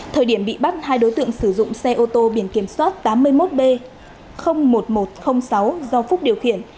thời điểm bị bắt hai đối tượng sử dụng xe ô tô biển kiểm soát tám mươi một b một nghìn một trăm linh sáu do phúc điều khiển